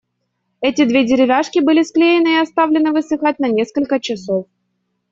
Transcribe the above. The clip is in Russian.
Эти две деревяшки были склеены и оставлены высыхать на насколько часов.